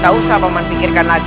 tak usah peman pinggirkan lagi